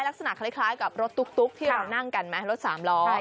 ลักษณะคล้ายกับรถตุ๊กที่เรานั่งกันไหมรถสามล้อ